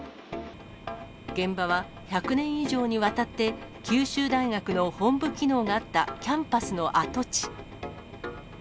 現場は１００年以上にわたって、九州大学の本部機能があったキャンパスの跡地。